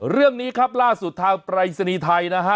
เรื่องนี้ครับล่าสุดทางปรายศนีย์ไทยนะฮะ